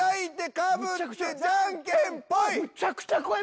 むちゃくちゃ怖い！